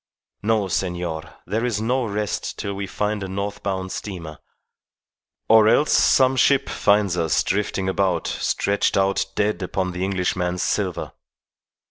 No, senor; there is no rest till we find a north bound steamer, or else some ship finds us drifting about stretched out dead upon the Englishman's silver.